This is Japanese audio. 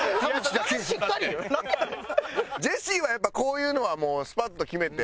ジェシーはやっぱりこういうのはもうスパッと決めて？